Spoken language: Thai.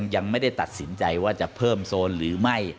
ยังไม่ได้ตัดสินใจว่าจะเพิ่มโซนหรือไม่